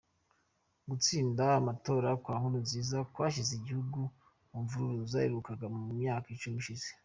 Gutsinda amatora kwa Nkurunziza kwashyize igihugu mu mvururu zaherukaga mu myaka icumi ishize.